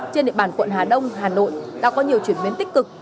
trên địa bàn quận hà đông hà nội đã có nhiều chuyển biến tích cực